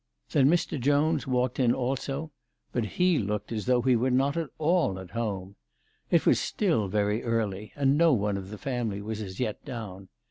Then Mr. Jones walked in also ; but he looked as though he were not at all at home. It was still very early, and no one of the family was as yet down.